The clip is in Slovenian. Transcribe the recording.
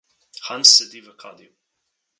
Hans sedi v kadi.